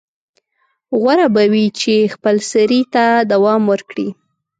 غوره به وي چې خپلسرۍ ته دوام ورکړي.